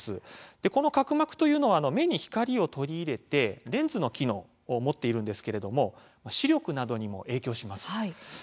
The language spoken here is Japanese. この角膜というのは目に光を取り入れてレンズの機能を持っているんですけれども視力などにも影響します。